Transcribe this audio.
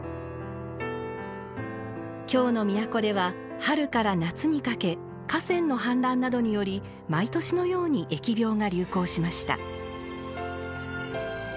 京の都では春から夏にかけ河川の氾濫などにより毎年のように疫病が流行しました。